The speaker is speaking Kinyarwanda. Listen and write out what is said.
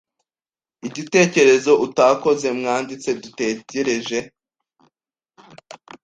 Igitekerezo utakoze mwanditsi dutegereje